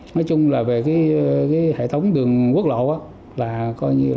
nói chung là về hệ thống đường quốc lộ